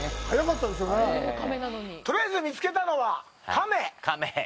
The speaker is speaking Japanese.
とりあえず見つけたのは、カメ。